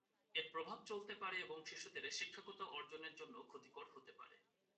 এর প্রভাব চলতে পারে এবং শিশুদের শিক্ষাগত অর্জনের জন্য ক্ষতিকর হতে পারে।